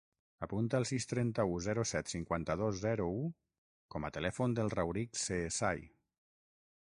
Apunta el sis, trenta-u, zero, set, cinquanta-dos, zero, u com a telèfon del Rauric Ceesay.